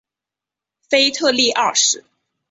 腓特烈二世。